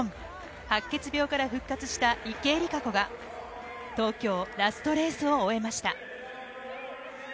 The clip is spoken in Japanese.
白血病から復活した池江璃花子が、東京、ラストレースを終えました。